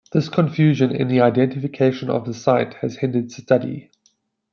This confusion in the identification of the site has hindered study.